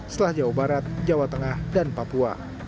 setelah jawa barat jawa tengah dan papua